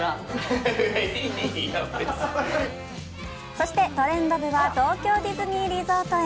そして「トレンド部」は東京ディズニーリゾートへ。